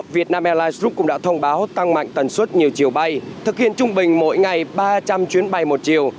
việt nam airlines cũng đã thông báo tăng mạnh tần suất nhiều chiều bay thực hiện trung bình mỗi ngày ba trăm linh chuyến bay một chiều